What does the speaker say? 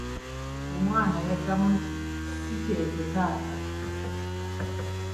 Omwana yamuddamu nti, “Si kyekyo taata”.